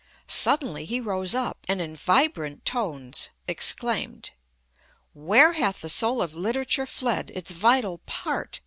Suddenly he rose up, and, in vibrant tones, exclaimed: "Where hath the soul of literature fled, its vital part?